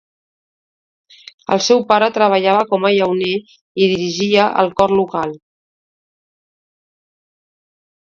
El seu pare treballava com a llauner i dirigia el cor local.